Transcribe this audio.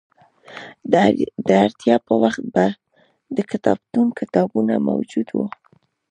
د اړتیا په وخت به د کتابتون کتابونه موجود وو.